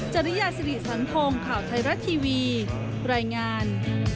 จริยาสิริสันทงข่าวไทยรัฐทีวีรายงาน